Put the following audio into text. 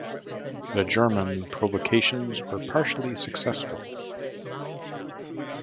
The German provocations were partially successful.